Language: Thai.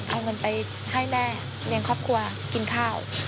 เอาเงินไปให้แม่เลี้ยงครอบครัวกินข้าว